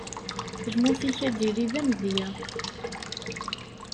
Lmut-ik ad tili d amedya.